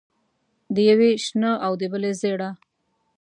د یوې شنه او د بلې ژېړه.